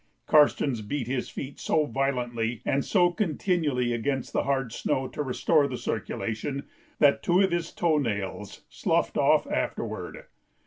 Karstens beat his feet so violently and so continually against the hard snow to restore the circulation that two of his toe nails sloughed off afterward.